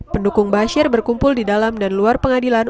pendukung bashir berkumpul di dalam dan luar pengadilan